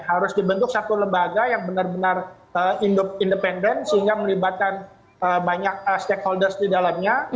harus dibentuk satu lembaga yang benar benar independen sehingga melibatkan banyak stakeholders di dalamnya